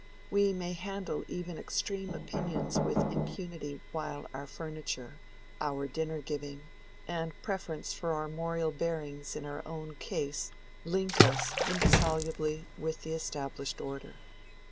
We may handle even extreme opinions with impunity while our furniture, our dinner giving, and preference for armorial bearings in our own case, link us indissolubly with the established order.